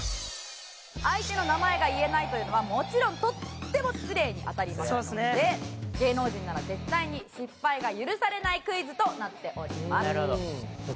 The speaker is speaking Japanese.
相手の名前が言えないというのはもちろんとっても失礼にあたりますので芸能人なら絶対に失敗が許されないクイズとなっております。